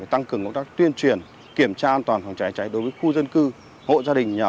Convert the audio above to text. tăng cường công tác tuyên truyền kiểm tra an toàn phòng cháy cháy đối với khu dân cư hộ gia đình nhà ở